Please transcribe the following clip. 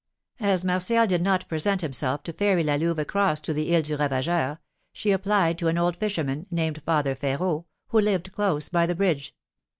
As Martial did not present himself to ferry La Louve across to the Isle du Ravageur, she applied to an old fisherman, named Father Férot, who lived close by the bridge.